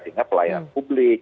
sehingga pelayanan publik